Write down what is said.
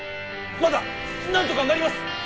まだ何とかなります